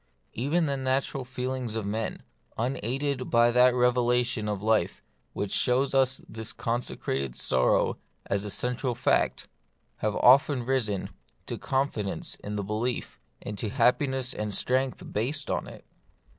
Even the natural feelings of men, unaided by that revelation of life which shows us this consecrated sorrow as its central fact, have often risen to confidence in the belief, and to happiness and strength based on it.